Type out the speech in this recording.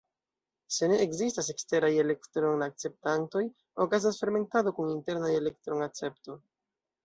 Se ne ekzistas eksteraj elektron-akceptantoj, okazas fermentado kun interna elektron-akcepto.